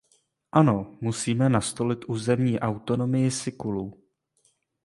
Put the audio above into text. Ano, musíme nastolit územní autonomii Sikulů.